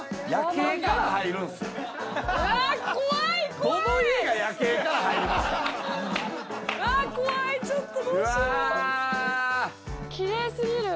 きれいすぎる。